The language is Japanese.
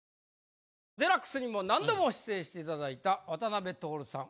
『ＤＸ』にも何度も出演していただいた渡辺徹さん